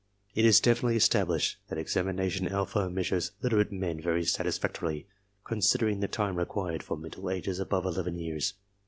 It is definitely established that examination alpha measures literate men very satisfactorily, considering the time required, for mental ages above eleven years.